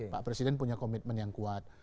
pak presiden punya komitmen yang kuat